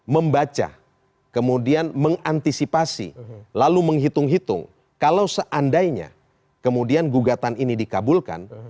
membaca kemudian mengantisipasi lalu menghitung hitung kalau seandainya kemudian gugatan ini dikabulkan